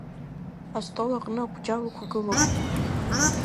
Астол аҟны аҟәџьал ықәгылоуп.